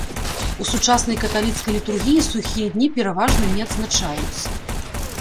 У сучаснай каталіцкай літургіі сухія дні пераважна не адзначаюцца.